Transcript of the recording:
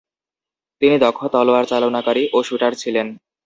তিনি দক্ষ তলোয়ার চালনাকারী ও শুটার ছিলেন।